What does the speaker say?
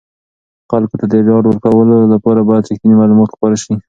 خلکو ته د ډاډ ورکولو لپاره باید رښتیني معلومات خپاره شي.